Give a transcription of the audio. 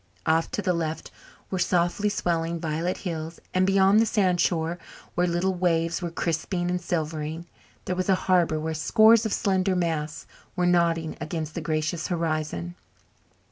Off to the left were softly swelling violet hills and beyond the sandshore, where little waves were crisping and silvering, there was a harbour where scores of slender masts were nodding against the gracious horizon.